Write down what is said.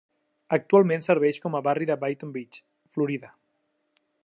Actualment serveix com a barri de Boynton Beach, Florida.